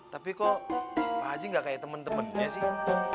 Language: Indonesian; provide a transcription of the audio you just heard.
tapi kok pak haji gak kayak temen temennya sih